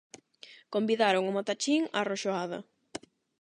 Convidaron o matachín á roxoada.